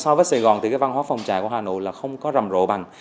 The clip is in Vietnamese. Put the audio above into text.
so với sài gòn thì cái văn hóa phòng trà của hà nội là không có rầm rộ bằng